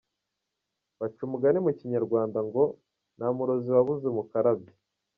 Baca umugani mu Kinyarwanda ngo “nta murozi wabuze umukarabya”.